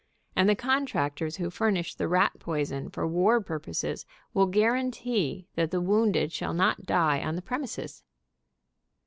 and the contractors who furnish the rat poison for war purposes will guarantee that the wounded shall not die on the premises.